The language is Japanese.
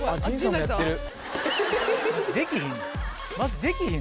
できひん